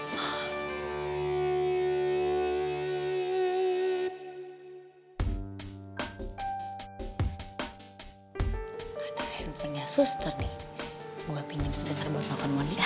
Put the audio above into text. mana handphonenya suster nih gue pinjem sebentar buat nonton money ya